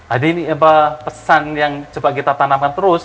ada ini apa pesan yang coba kita tanamkan terus